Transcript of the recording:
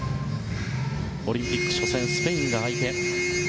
オリンピック初戦スペインが相手。